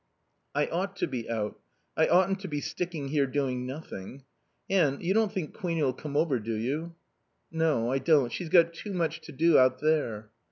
"I ought to be out. I oughtn't to be sticking here doing nothing.... Anne, you don't think Queenie'll come over, do you?" "No, I don't. She's got much too much to do out there."